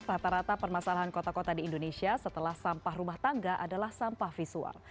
rata rata permasalahan kota kota di indonesia setelah sampah rumah tangga adalah sampah visual